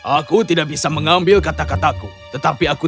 aku tidak bisa mengambil kata kataku